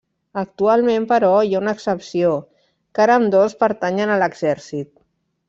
Actualment, però, hi ha una excepció, car ambdós pertanyen a l'Exèrcit.